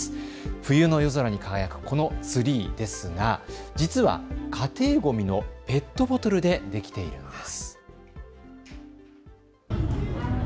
冬の夜空に輝くこのツリーですが実は家庭ごみのペットボトルでできているんです。